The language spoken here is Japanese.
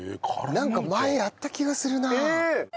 なんか前やった気がするな。